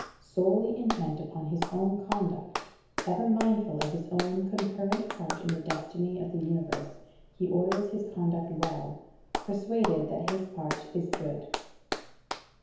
Solely intent upon his own conduct, ever mindful of his own concurrent part in the destiny of the Universe, he orders his conduct well, persuaded that his part is good.